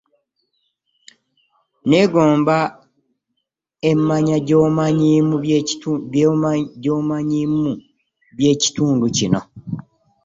Nneegomba emmanya gy'omanyiimu by'ekitundu kino